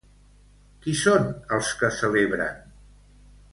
Qui són els que celebren?